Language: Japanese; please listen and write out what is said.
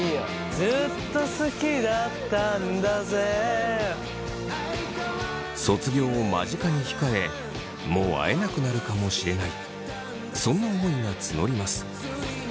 ずっと好きだったんだぜ卒業を間近に控えもう会えなくなるかもしれないそんな思いが募ります。